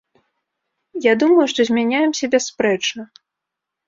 Я думаю, што змяняемся бясспрэчна.